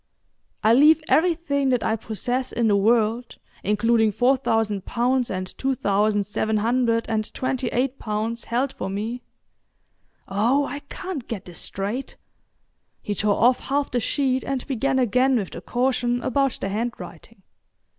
—"I leave everything that I possess in the world, including four thousand pounds, and two thousand seven hundred and twenty eight pounds held for me"—oh, I can't get this straight." He tore off half the sheet and began again with the caution about the handwriting.